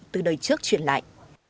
từ đời trước chuyển lại